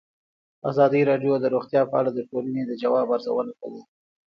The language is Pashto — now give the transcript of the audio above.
ازادي راډیو د روغتیا په اړه د ټولنې د ځواب ارزونه کړې.